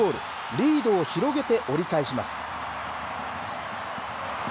リードを広げて折り返します。